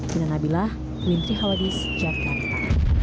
dina nabilah wintri hawadis jakarta